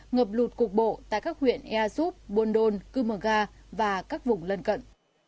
ngập lụt cục bộ tại các huyện ea xúc buôn đôn cư mơ ga và các vùng lân cận